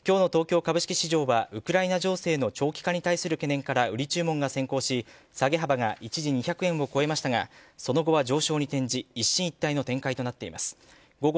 今日の東京株式市場はウクライナ情勢の長期化に対する懸念から売り注文が先行し下げ幅が一時２００円を超えましたがその後は上昇に転じ一進一退の展開となっています。